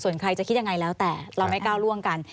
ส่วนใครจะคิดยังไงแล้วแต่เราไม่ก้าวร่วงกัน